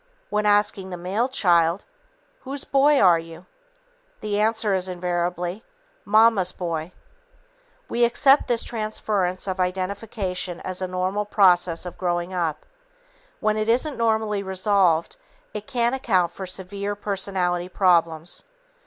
When asking the male child, "Whose boy are you?", the answer is invariably, "Momma's boy." We accept this transference of identification as a normal process of growing up. When it isn't normally resolved, it can account for severe personality problems.